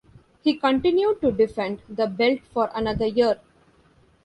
He continued to defend the belt for another year.